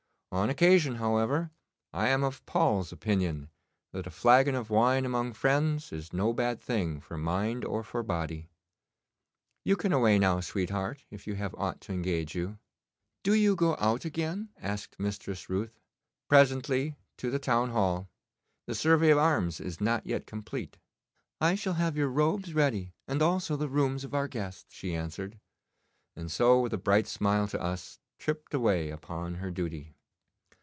On occasion, however, I am of Paul's opinion, that a flagon of wine among friends is no bad thing for mind or for body. You can away now, sweetheart, if you have aught to engage you.' 'Do you go out again?' asked Mistress Ruth. 'Presently, to the town hall. The survey of arms is not yet complete.' 'I shall have your robes ready, and also the rooms of our guests,' she answered, and so, with a bright smile to us, tripped away upon her duty.